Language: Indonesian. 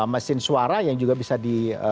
mesin suara yang juga bisa di